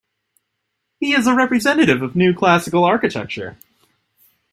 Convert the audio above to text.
He is a representative of New Classical Architecture.